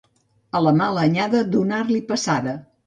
A mala anyada, donar-li passada.